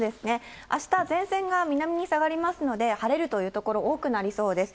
あした前線が南に下がりますので、晴れるという所、多くなりそうです。